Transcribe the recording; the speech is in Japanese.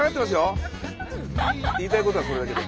言いたいことはそれだけで。